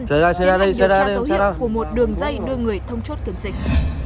để hành điều tra dấu hiệu của một đường dây đưa người thông chốt kiểm dịch